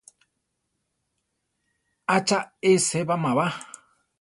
¿ʼA cha e sébama ba?